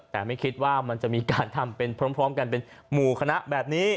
แต่ไม่คิดว่ามันจะมีการทำเป็นพร้อมกันเป็นหมู่คณะแบบนี้